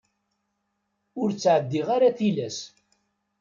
Ur ttɛeddi ara tilas.